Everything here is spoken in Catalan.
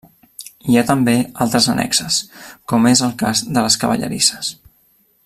Hi ha també altres annexes, com és el cas de les cavallerisses.